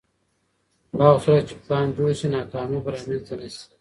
په هغه صورت کې چې پلان جوړ شي، ناکامي به رامنځته نه شي.